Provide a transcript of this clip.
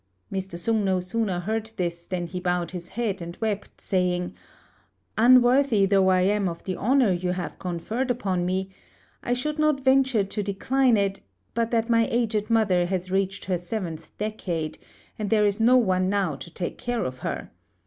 Mr. Sung no sooner heard this than he bowed his head and wept, saying, "Unworthy though I am of the honour you have conferred upon me, I should not venture to decline it but that my aged mother has reached her seventh decade, and there is no one now to take care of her.